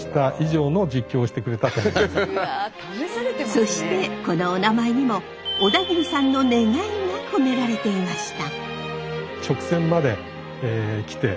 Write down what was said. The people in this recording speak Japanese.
そしてこのおなまえにも小田切さんの願いが込められていました。